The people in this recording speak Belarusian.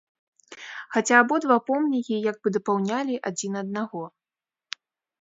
Хаця абодва помнікі, як бы дапаўнялі адзін аднаго.